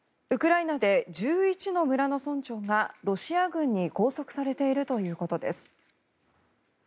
ウクライナで１１の村の村長がロシア軍に拘束されているということです。